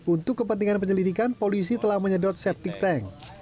untuk kepentingan penyelidikan polisi telah menyedot septic tank